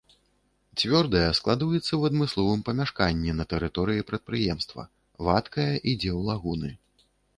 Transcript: Цвёрдая складуецца ў адмысловым памяшканні на тэрыторыі прадпрыемства, вадкая ідзе ў лагуны.